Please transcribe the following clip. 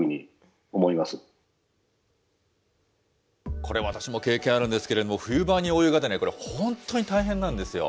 これ、私も経験あるんですけれども、冬場にお湯が出ない、これ、本当に大変なんですよ。